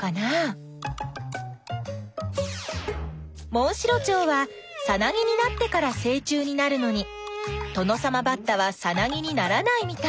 モンシロチョウはさなぎになってからせい虫になるのにトノサマバッタはさなぎにならないみたい。